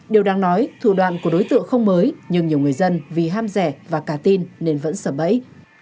điều đáng nói thủ đoạn của đối tượng không mới nhưng nhiều người dân vì ham rẻ và cả tin nên vẫn sập bẫy